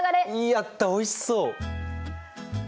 やったおいしそう！